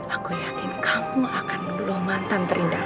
aku yakin kamu akan mendulang mantan terindah